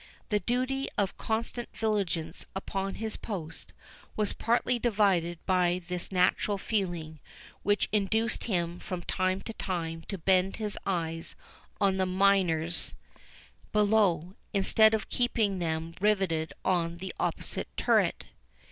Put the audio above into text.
The duty of constant vigilance upon his post, was partly divided by this natural feeling, which induced him from time to time to bend his eyes on the miners below, instead of keeping them riveted on the opposite turret.